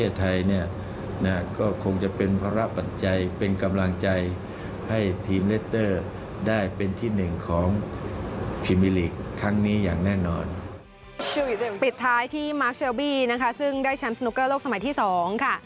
ซึ่งได้แชมป์สนุกเกอร์โลกสมัยที่๒ค่ะ